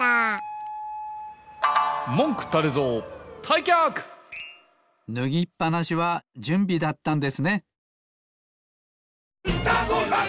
たいきゃくぬぎっぱなしはじゅんびだったんですね。